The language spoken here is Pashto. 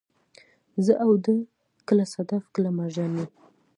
زه او ته، کله صدف، کله مرجان يو